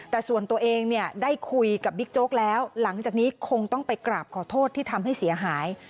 แต่ส่วนตัวเองเนี่ยได้คุยกับบิ๊กโจ๊กแล้วหลังจากนี้คงต้องไปกราบขอโทษที่ทำให้เสียหาย